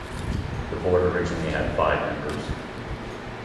The board originally had five members.